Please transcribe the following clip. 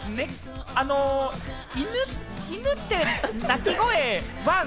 犬って鳴き声はワン？